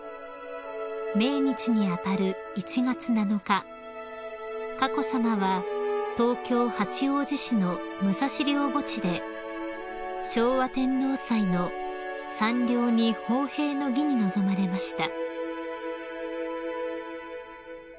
［命日に当たる１月７日佳子さまは東京八王子市の武蔵陵墓地で昭和天皇祭の山陵に奉幣の儀に臨まれました］